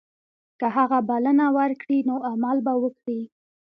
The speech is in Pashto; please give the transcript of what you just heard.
که هغه بلنه ورکړي نو عمل به وکړي.